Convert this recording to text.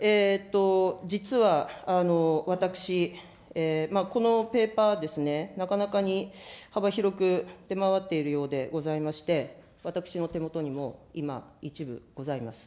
実は私、このペーパーですね、なかなかに幅広く出回っているようでございまして、私の手元にも今、１部ございます。